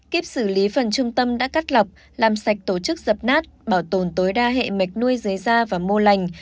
kiếp xử lý phần trung tâm đã cắt lọc làm sạch tổ chức dập nát bảo tồn tối đa hệ mạch nuôi dưới da và mô lành